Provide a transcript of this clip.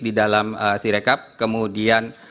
di dalam si rekap kemudian